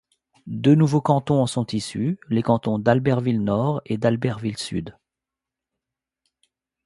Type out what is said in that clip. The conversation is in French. Deux nouveaux cantons en sont issus, les cantons d'Albertville-Nord et d'Albertville-Sud.